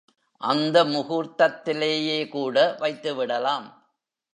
அந்த முகூர்த்தத்திலேயே கூட வைத்து விடலாம்.